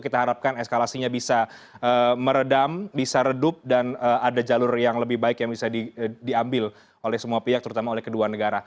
kita harapkan eskalasinya bisa meredam bisa redup dan ada jalur yang lebih baik yang bisa diambil oleh semua pihak terutama oleh kedua negara